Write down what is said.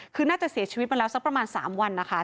คือน่าจะเสียชีวิตมาแล้วสักประมาณ๓วันนะคะ